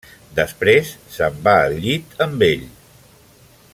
Després, se'n va al llit amb ell.